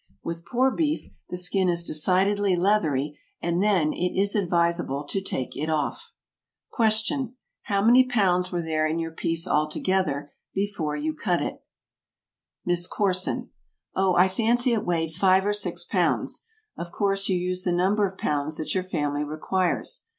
With poor beef, the skin is decidedly leathery, and then it is advisable to take it off. Question. How many pounds were there in your piece altogether, before you began to cut it? MISS CORSON. Oh, I fancy it weighed five or six pounds. Of course you use the number of pounds that your family requires.